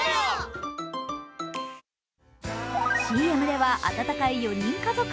ＣＭでは温かい４人家族。